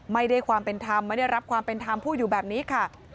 ไม่ได้ความเป็นธรรมไม่ได้รับความเป็นธรรมพูดอยู่แบบนี้ค่ะ